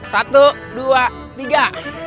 satu dua tiga